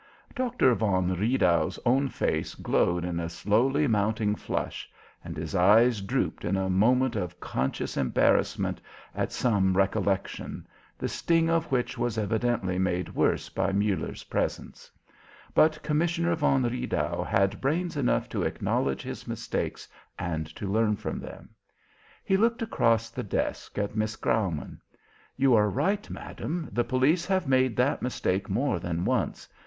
Doctor von Riedau's own face glowed in a slowly mounting flush, and his eyes drooped in a moment of conscious embarrassment at some recollection, the sting of which was evidently made worse by Muller's presence. But Commissioner von Riedau had brains enough to acknowledge his mistakes and to learn from them. He looked across the desk at Miss Graumann. "You are right, Madam, the police have made that mistake more than once.